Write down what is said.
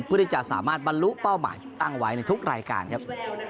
เพื่อที่จะสามารถบรรลุเป้าหมายตั้งไว้ในทุกรายการครับ